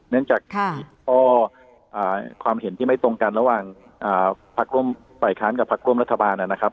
เนื่องจากความเห็นที่ไม่ตรงกันระหว่างพักร่วมฝ่ายค้านกับพักร่วมรัฐบาลนะครับ